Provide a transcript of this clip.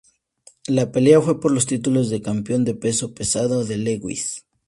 La pelea fue por los títulos de campeón de peso pesado de Lewis.